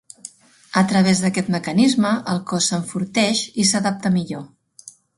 A través d'aquest mecanisme, el cos s'enforteix i s'adapta millor.